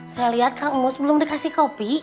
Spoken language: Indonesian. saya lihat kang umus belum dikasih kopi